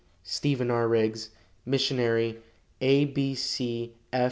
"STEPHEN R. RIGGS, "Missionary, A.